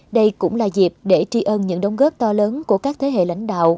đây cũng là dịp để tri ân những đồng góp to lớn của các thế hệ lãnh đạo